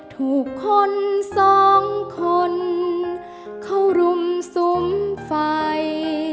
ทุกคนสองคนเขารุ่มสุ่มไฟ